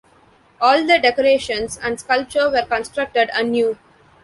All the decorations and sculpture were constructed anew.